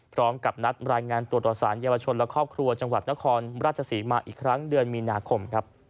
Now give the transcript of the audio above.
พร้อมกับนัดรายงานตัวต่อสารเยาวชนและครอบครัวจังหวัดนครราชศรีมาอีกครั้งเดือนมีนาคม